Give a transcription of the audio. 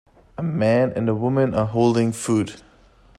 A man and woman are holding food.